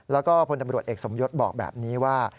แล้วก็พลตำรวจเอกสมยศบอกแบบนี้ว่า